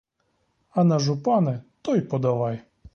А на жупани то й подавай!